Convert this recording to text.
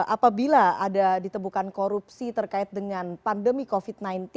apabila ada ditemukan korupsi terkait dengan pandemi covid sembilan belas